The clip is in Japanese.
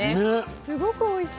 すごくおいしい。